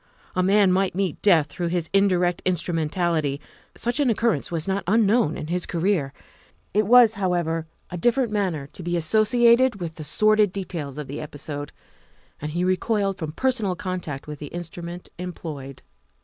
A man might meet death through his indirect instru mentality; such an occurrence was not unknown in his career. It was, however, a different matter to be asso 276 THE WIFE OF elated with the sordid details of the episode, and he recoiled from personal contact with the instrument employed.